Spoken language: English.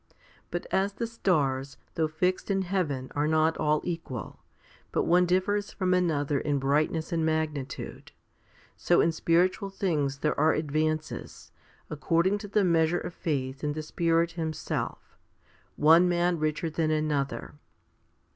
But as the stars, though fixed in heaven, are not all equal, but one differs from another 1 in brightness and magnitude, so in spiritual things there are advances, according to the measure of faith, in the Spirit Himself, 2 one man richer than another.